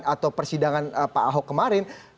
atau persidangan pak ahok kemarin